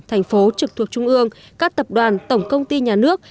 thành phố trực thuộc trung ương các tập đoàn tổng công ty nhà nước